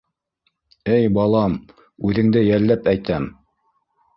Эй, балам, үҙеңде йәлләп әйтәм.